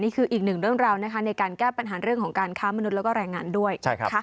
อีกหนึ่งเรื่องราวนะคะในการแก้ปัญหาเรื่องของการค้ามนุษย์แล้วก็แรงงานด้วย